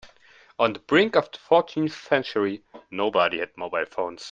On the brink of the fourteenth century, nobody had mobile phones.